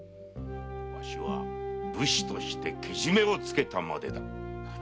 わしは武士としてけじめをつけたまでだ。